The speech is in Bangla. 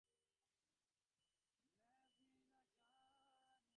অবস্থাভেদে খুঁটিনাটি কর্তব্য ভিন্ন ভিন্ন হইবে, এ-কথা পূর্বেই বলিয়াছি।